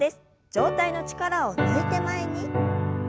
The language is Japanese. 上体の力を抜いて前に。